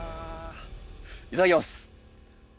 いただきます！